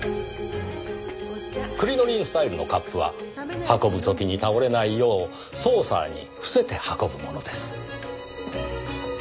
クリノリン・スタイルのカップは運ぶ時に倒れないようソーサーに伏せて運ぶものです。